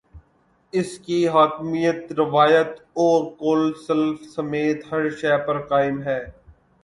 اس کی حاکمیت، روایت اور قول سلف سمیت ہر شے پر قائم ہے۔